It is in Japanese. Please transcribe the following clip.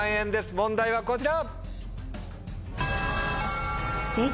問題はこちら。